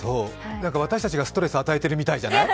私たちがストレス与えてるみたいじゃない？